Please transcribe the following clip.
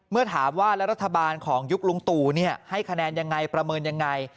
เมื่อถามว่ารัฐบาลของยุคลุงตู่ให้คะแนนยังไงประเมินยังไง